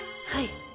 はい。